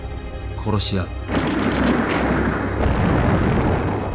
殺し合う。